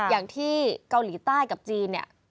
อย่างที่เกาหลีใต้กับจีนเนี่ย